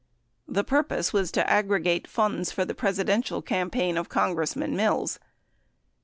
The purpose was to aggregate funds for the Presidential campaign of Congressman Mills.